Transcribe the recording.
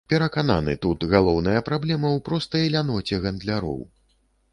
Перакананы, тут галоўная праблема ў простай ляноце гандляроў.